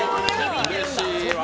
うれしいわ。